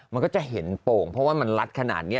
มันก็จะเห็นโป่งเพราะว่ามันลัดขนาดนี้